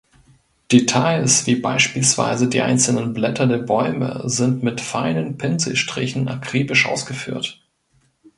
Details wie beispielsweise die einzelnen Blätter der Bäume sind mit feinen Pinselstrichen akribisch ausgeführt.